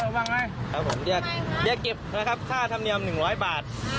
แล้วผมเรียกเก็บค่าธรรมเนียม๑๐๐บาท